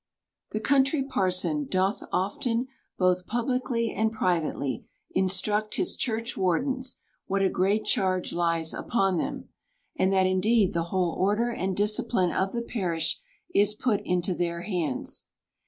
The Country Parson doth often, both publicly and privately, instruct his church wardens, what a great charge lies upon them ; and that, indeed, the whole order and discipline of the parish is put into their hands.